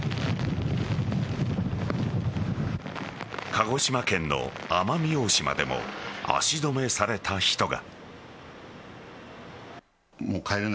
鹿児島県の奄美大島でも足止めされた人が。